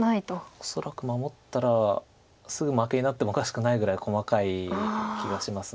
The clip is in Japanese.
恐らく守ったらすぐ負けになってもおかしくないぐらい細かい気がします。